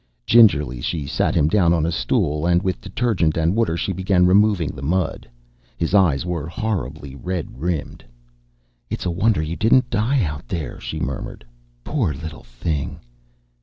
Gingerly she sat him down on a stool, and with detergent and water she began removing the mud. His eyes were horribly red rimmed. "It's a wonder you didn't die out there," she murmured. "Poor little thing!"